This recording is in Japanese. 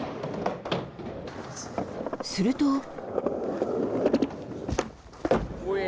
すると。